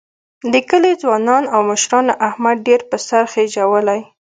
د کلي ځوانانو او مشرانو احمد ډېر په سر خېجولی